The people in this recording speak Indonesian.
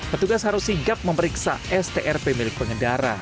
petugas harus sigap memeriksa strp milik pengendara